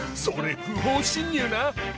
それ不法侵入な。